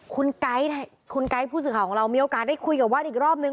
คุณไก๊คุณไก๊ผู้สื่อข่าวของเรามีโอกาสได้คุยกับวัดอีกรอบนึง